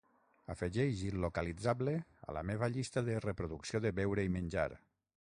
Afegeix il·localitzable a la meva llista de reproducció de beure i menjar.